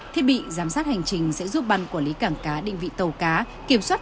thiết bị giám sát hành trình sẽ giúp ban quản lý cảng cá định vị tàu cá kiểm soát